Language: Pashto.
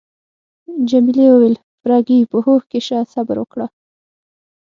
جميلې وويل: فرګي، په هوښ کي شه، صبر وکړه.